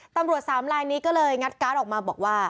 ตำรวจสามลายนี้ก็เลยงัดการ์ดออกมาบอกว่า